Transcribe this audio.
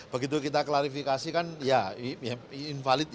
begitu kita klarifikasi kan ya invalid